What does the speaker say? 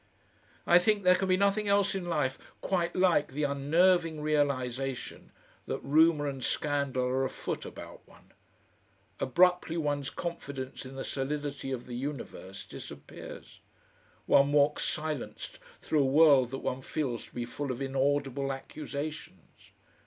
I think there can be nothing else in life quite like the unnerving realisation that rumour and scandal are afoot about one. Abruptly one's confidence in the solidity of the universe disappears. One walks silenced through a world that one feels to be full of inaudible accusations.